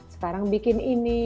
sekarang bikin ini